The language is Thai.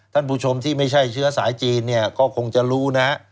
ท่านผู้ชมที่ไม่ใช่เชื้อสายจีนเนี่ยก็คงจะรู้นะ